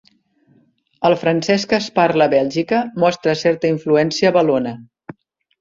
El francès que es parla a Bèlgica mostra certa influència valona.